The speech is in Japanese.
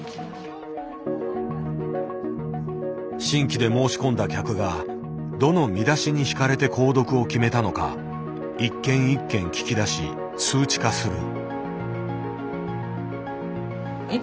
新規で申し込んだ客がどの見出しに引かれて購読を決めたのか一件一件聞き出し数値化する。